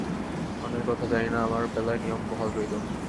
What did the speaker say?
অন্যের কথা জানি না, আমার বেলায় নিয়ম বহাল রইল।